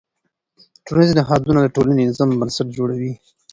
ټولنیز نهادونه د ټولنې د نظم بنسټ جوړوي.